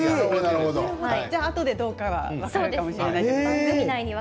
あとでどうかは分かるかもしれないと。